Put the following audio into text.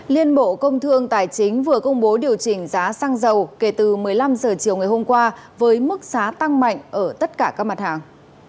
liên bộ công thương tài chính vừa công bố điều chỉnh giá xăng dầu kể từ một mươi năm h chiều ngày hôm qua với mức giá tăng mạnh ở tất cả các mặt hàng